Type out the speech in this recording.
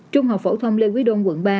trung học phổ thông lê quý đôn quận ba